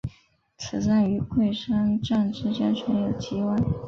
此站与桂山站之间存有急弯。